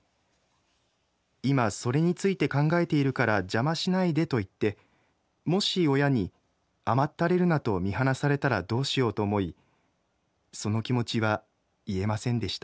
『今それについて考えているから邪魔しないで』と言ってもし親に『甘ったれるな』と見放されたらどうしようと思いその気持ちは言えませんでした。